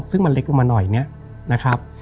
ซึ่งมันเล็กลงมาหน่อยเนี่ยนะครับ